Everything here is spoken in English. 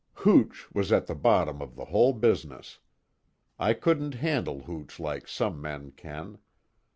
"Hooch was at the bottom of the whole business. I couldn't handle hooch like some men can.